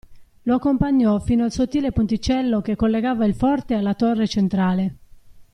Lo accompagnò fino al sottile ponticello che collegava il forte alla torre centrale.